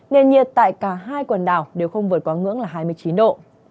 nền nhiệt tại cả hai quần đảo đều không vượt quá ngưỡng là hai mươi chín độ